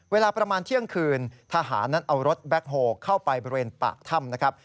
เวลาประมาณเที่ยงคืนทหารนั้นเอารถแบ็คโฮลเข้าไปบริเวณปากถ้ำนะครับ